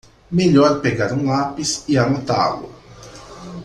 Melhor pegar um lápis e anotá-lo.